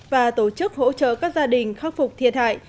và tổ chức hỗ trợ các gia đình khắc phục thiệt hại